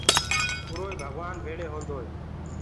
اُروئي ڀگوآن ڀيݪي هوندوئي